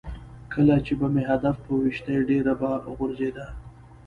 کله چې به مې هدف په ویشتی ډېره به غورځېده.